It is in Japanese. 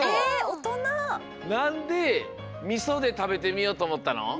なんでみそでたべてみようとおもったの？